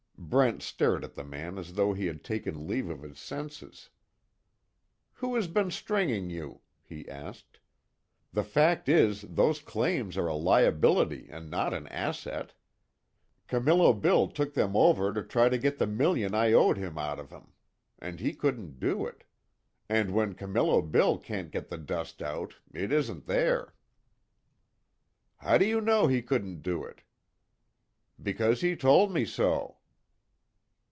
Brent stared at the man as though he had taken leave of his senses. "Who has been stringing you?" he asked, "The fact is, those claims are a liability, and not an asset. Camillo Bill took them over to try to get the million I owed him out of 'em and he couldn't do it. And when Camillo Bill can't get the dust out, it isn't there." "How do you know he couldn't do it?" "Because he told me so."